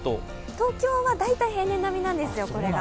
東京は大体平年並みなんですよ、これが。